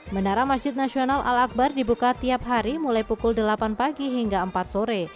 menara masjid nasional al akbar dibuka tiap hari mulai pukul delapan pagi hingga empat sore